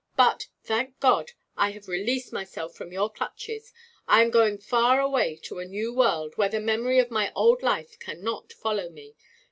But, thank God, I have released myself from your clutches. I am going far away to a new world, where the memory of my old life cannot follow me.